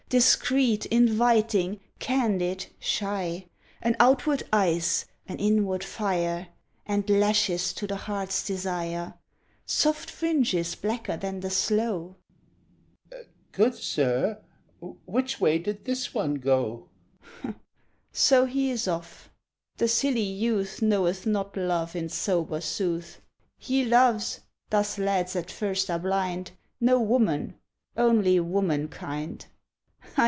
Discreet, inviting, candid, shy, An outward ice, an inward fire, And lashes to the heart's desire Soft fringes blacker than the sloe. SHEPHERD, THOUGHTFULLY. Good sir, which way did THIS one go? ........ PILGRIM, SOLUS. So, he is off! The silly youth Knoweth not Love in sober sooth. He loves thus lads at first are blind No woman, only Womankind.